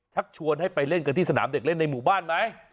ชวนให้ไปเล่นกันที่สนามเด็กเล่นในหมู่บ้านไหม